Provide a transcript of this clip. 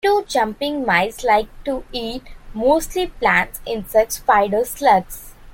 Meadow jumping mice like to eat mostly plants, insects, spiders, slugs.